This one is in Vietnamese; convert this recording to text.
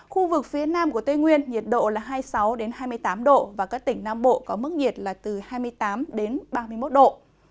khu vực phía nam của tây nguyên nhiệt độ là hai mươi sáu hai mươi tám độ và các tỉnh nam bộ có mức nhiệt là từ hai mươi tám ba mươi một độ